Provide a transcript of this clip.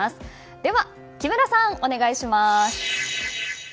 では木村さん、お願いします。